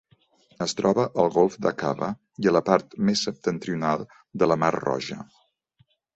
Es troba al Golf d'Aqaba i a la part més septentrional de la Mar Roja.